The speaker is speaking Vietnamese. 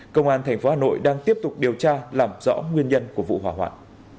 công an tp hà nội đang tiếp tục điều tra làm rõ nguyên nhân của vụ hỏa hoạn